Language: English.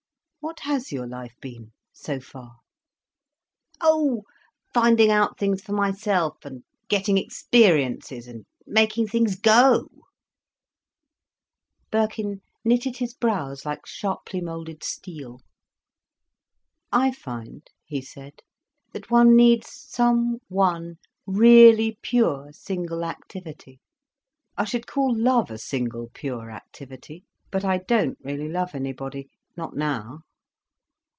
"What has your life been, so far?" "Oh—finding out things for myself—and getting experiences—and making things go." Birkin knitted his brows like sharply moulded steel. "I find," he said, "that one needs some one really pure single activity—I should call love a single pure activity. But I don't really love anybody—not now."